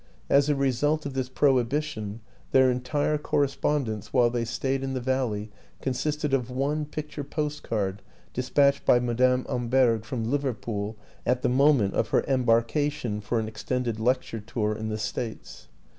As a result of this prohibition their entire cor respondence while they stayed in the valley con sisted of one picture postcard dispatched by Madame Amberg from Liverpool at the moment of her embarkation for an extended lecture tour in the States.